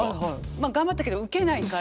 まあ頑張ったけどウケないから。